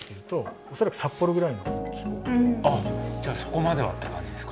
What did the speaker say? あっじゃあそこまではって感じですか。